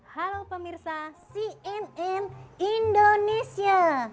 halo pemirsa cnn indonesia